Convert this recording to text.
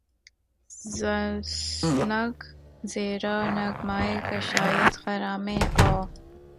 ز سنگ ریزہ نغمہ کشاید خرامِ او